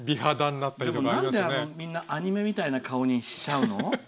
なんでみんなアニメみたいな顔にしちゃうの？